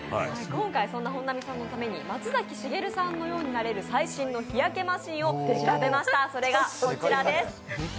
今回そんな本並さんのために松崎しげるさんのように焼ける最新の日焼けマシンを調べました、それがこちらです。